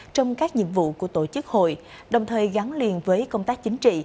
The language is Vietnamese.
trong các nhiệm vụ của tổ chức hội đồng thời gắn liền với công tác chính trị